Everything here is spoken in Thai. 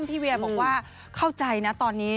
พี่เวียบอกว่าเข้าใจนะตอนนี้